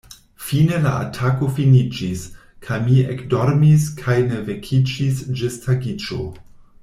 Fine, la atako finiĝis, kaj mi ekdormis kaj ne vekiĝis ĝis tagiĝo.